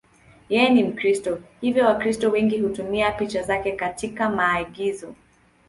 Yeye ni Mkristo, hivyo Wakristo wengi hutumia picha zake katika maigizo.